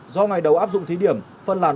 do ngày đầu áp dụng thí điểm phân làm